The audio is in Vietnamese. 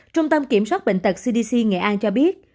trung tâm kiểm soát bệnh tật cdc nghệ an cho biết